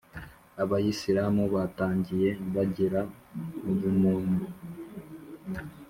abayisilamu batangiye bagira ubumuntu